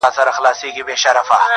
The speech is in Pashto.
ستا پستې پستې خبري مي یا دېږي,